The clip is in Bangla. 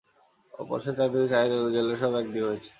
পরে সে চারদিকে চাহিয়া দেখিল, জেলের ছেলেরা সব একদিকে হইয়াছে।